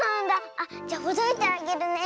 あっじゃほどいてあげるね。